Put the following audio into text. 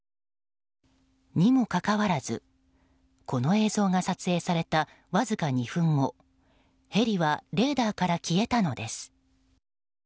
にもかかわらず、この映像が撮影されたわずか２分後ヘリはレーダーから消えたのです。